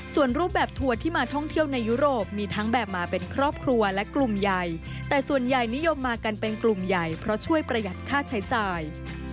ส่วนรูปแบบทัวร์ที่มาท่องเที่ยวในยุโรปมีทั้งแบบมาเป็นครอบครัวและกลุ่มใหญ่แต่ส่วนใหญ่นิยมมากันเป็นกลุ่มใหญ่เพราะช่วยประหยัดค่าใช้จ่าย